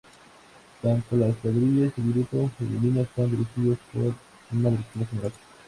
Tanto las cuadrillas y el grupo femenino, están dirigidos por una directiva general.